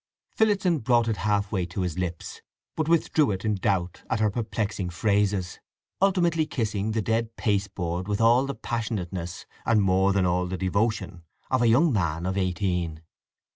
Phillotson brought it half way to his lips, but withdrew it in doubt at her perplexing phrases: ultimately kissing the dead pasteboard with all the passionateness, and more than all the devotion, of a young man of eighteen.